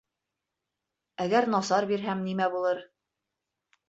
Әгәр насар бирһәм, нимә булыр?